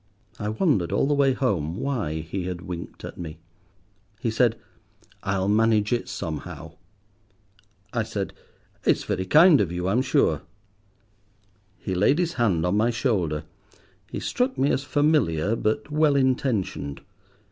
I wondered all the way home why he had winked at me. He said— "I'll manage it somehow." I said— "It's very kind of you, I'm sure." He laid his hand on my shoulder. He struck me as familiar, but well intentioned.